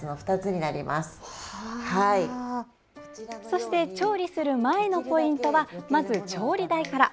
そして調理する前のポイントはまず調理台から。